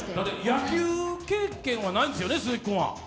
野球経験はないんですよね、鈴木君は。